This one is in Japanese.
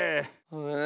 え。